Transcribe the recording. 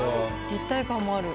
立体感もある。